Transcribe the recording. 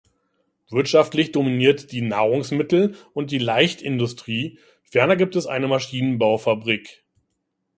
Wirtschaftlich dominiert die Nahrungsmittel- und die Leichtindustrie, ferner gibt es eine Maschinenbaufabrik.